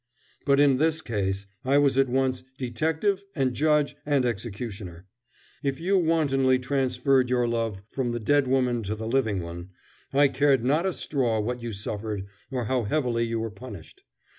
But in this case, I was at once detective, and judge, and executioner. If you wantonly transferred your love from the dead woman to the living one, I cared not a straw what you suffered or how heavily you were punished.